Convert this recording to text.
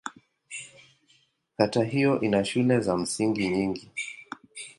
Kata hiyo ina shule za msingi nyingi.